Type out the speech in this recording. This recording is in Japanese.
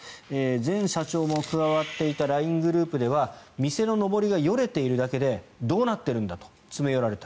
前社長も加わっていたＬＩＮＥグループでは店ののぼりがよれているだけでどうなってるんだと詰め寄られた。